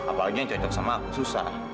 apa aja yang cocok sama aku susah